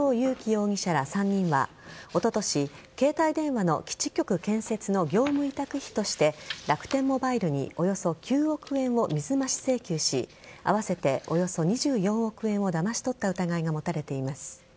容疑者ら３人はおととし、携帯電話の基地局建設の業務委託費として楽天モバイルにおよそ９億円を水増し請求し合わせて、およそ２４億円をだまし取った疑いが持たれています。